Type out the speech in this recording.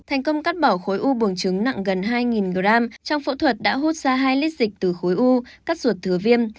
thành công cắt bỏ khối u buồng trứng nặng gần hai g trong phẫu thuật đã hút ra hai lít dịch từ khối u cắt ruột thừa viêm